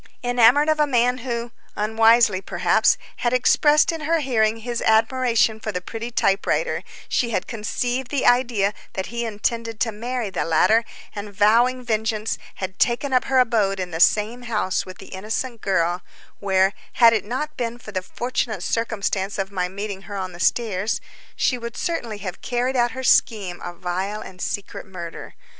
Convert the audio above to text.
Enamoured of a man who—unwisely, perhaps—had expressed in her hearing his admiration for the pretty typewriter, she had conceived the idea that he intended to marry the latter, and, vowing vengeance, had taken up her abode in the same house with the innocent girl, where, had it not been for the fortunate circumstance of my meeting her on the stairs, she would certainly have carried out her scheme of vile and secret murder.